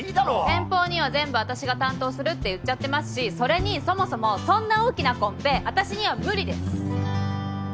先方には全部私が担当するって言っちゃってますしそれにそもそもそんな大きなコンペ私には無理です！